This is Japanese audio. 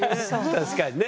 確かにね。